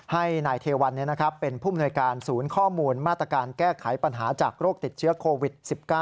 ให้นายเทวันเป็นผู้มนวยการศูนย์ข้อมูลมาตรการแก้ไขปัญหาจากโรคติดเชื้อโควิด๑๙